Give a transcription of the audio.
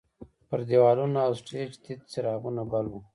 پر دیوالونو او سټیج تت څراغونه بل وو.